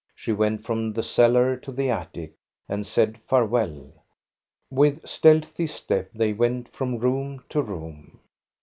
She went from the cellar to the attic, and said farewell. With stealthy step they went from room to room.